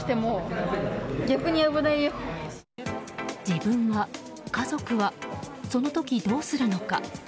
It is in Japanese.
自分は、家族はその時どうするのか。